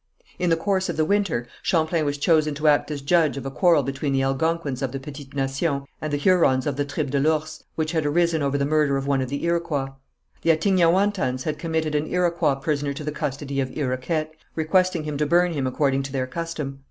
In the course of the winter, Champlain was chosen to act as judge of a quarrel between the Algonquins of the Petite Nation, and the Hurons of the tribe de l'Ours, which had arisen over the murder of one of the Iroquois. The Attignaouantans had committed an Iroquois prisoner to the custody of Iroquet, requesting him to burn him according to their custom.